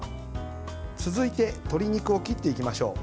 続いて、鶏肉を切っていきましょう。